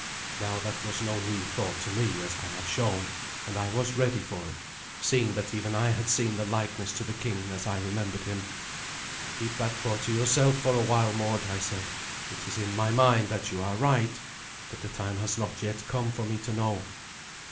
Now that was no new thought to me, as I have shown, and I was ready for it, seeing that even I had seen the likeness to the king as I remembered him. "Keep that thought to yourself for a while, Mord," I said. "It is in my mind that you are right, but the time has not yet come for me to know."